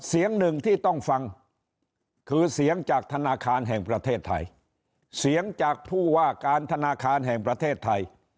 เสียงหนึ่งที่ต้องฟังคือเสียงจากธนาคารแห่งประเทศไทยเสียงจากผู้ว่าการธนาคารแห่งประเทศไทย